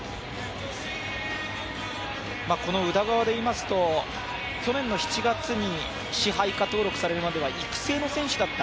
この宇田川でいいますと、去年７月に支配下登録されるまでは育成の選手だった。